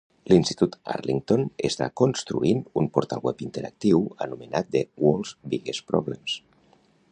L'Institut Arlington està construint un portal web interactiu anomenat The World's Biggest Problems.